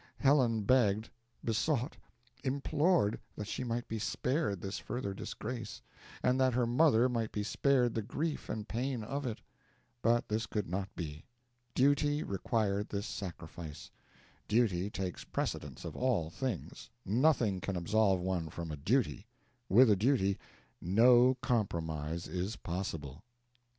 Helen begged, besought, implored that she might be spared this further disgrace, and that her mother might be spared the grief and pain of it; but this could not be: duty required this sacrifice, duty takes precedence of all things, nothing can absolve one from a duty, with a duty no compromise is possible.